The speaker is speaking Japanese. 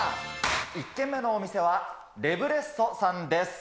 １軒目のお店は、レブレッソさんです。